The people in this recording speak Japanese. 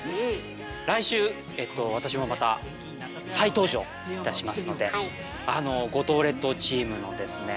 来週えと私もまた再登場いたしますのであの五島列島チームのですね